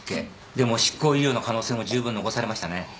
でも執行猶予の可能性もじゅうぶん残されましたね。